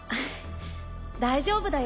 大丈夫だよ